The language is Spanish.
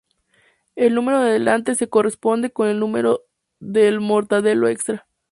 El número de delante se corresponde con el número del "Mortadelo Extra".